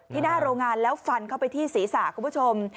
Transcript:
หน้าโรงงานแล้วฟันเข้าไปที่ศีรษะคุณผู้ชม